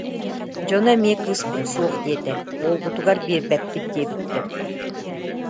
Дьоно эмиэ кыыспыт суох диэтэ, уолгутугар биэрбэппит диэбиттэр